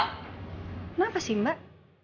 kenapa sih mbak